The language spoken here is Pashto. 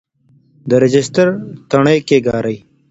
د رجسټر تڼۍ کیکاږئ.